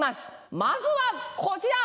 まずはこちら！